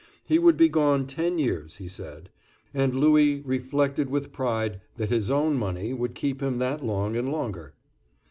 He would be gone ten years, he said; and Louis reflected with pride that his own money would keep him that long, and longer.